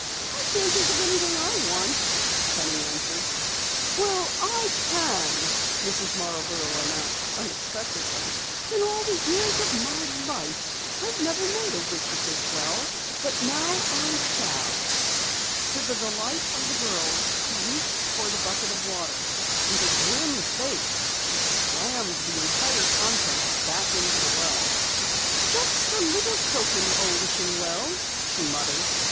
"I can't think of anything I want," Penny answered. "Well, I can!" Mrs. Marborough announced unexpectedly. "In all the years of my life I've never made a wish at this well, but now I shall!" To the delight of the girls, she reached for the bucket of water. With a grim face she slammed the entire contents back into the well. "Just a little token, O wishing well," she muttered.